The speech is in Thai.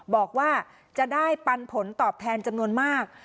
บอกว่าจะได้ปันผลตอบแทนจำนวนมาก